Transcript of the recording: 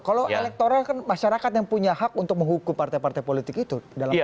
kalau elektoral kan masyarakat yang punya hak untuk menghukum partai partai politik itu